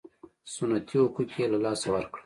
سنتي حقوق یې له لاسه ورکړل.